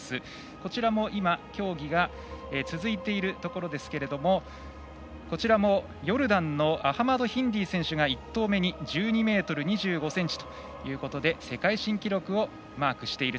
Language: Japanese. こちら競技が続いているところですがこちらもヨルダンのアハマド・ヒンディ選手が１投目に１２ｍ２５ｃｍと世界新記録をマークしています。